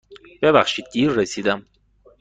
ببخشید دیر رسیدم.